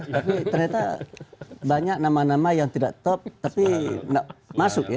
tapi ternyata banyak nama nama yang tidak top tapi tidak masuk ya